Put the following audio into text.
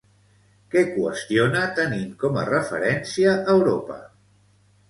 Què qüestiona tenint com a referència Europa?